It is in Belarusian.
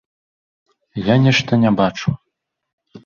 Я нешта не бачу.